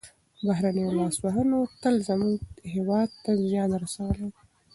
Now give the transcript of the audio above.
بهرنیو لاسوهنو تل زموږ هېواد ته زیان رسولی دی.